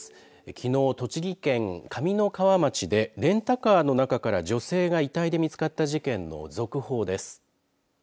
きのう、栃木県上三川町でレンタカーの中から女性が遺体で見つかった事件の続報です。